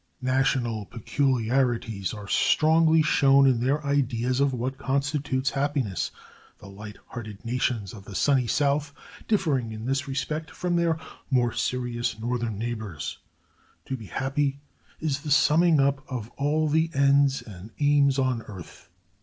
National peculiarities are strongly shown in their ideas of what constitutes happiness; the light hearted nations of the sunny south differing in this respect from their more serious northern neighbors. To be happy is the summing up of all the ends and aims on earth.